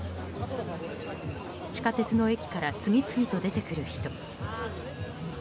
地下鉄の駅から次々と出てくる人。